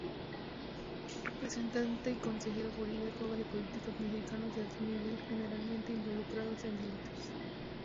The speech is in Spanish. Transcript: Representante y consejero jurídico de políticos mexicanos de alto nivel generalmente involucrados en delitos.